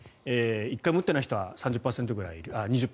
１回も打ってない人は２０％くらいいる。